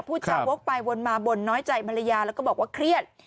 พูดจาวกไปวนมาบ่นน้อยใจภรรยาแล้วก็บอกว่าเครียด